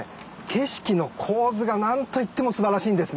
景色の構図が何といっても素晴らしいんですね。